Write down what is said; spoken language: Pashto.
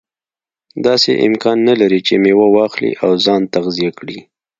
داسې امکان نه لري چې میوه واخلي او ځان تغذیه کړي.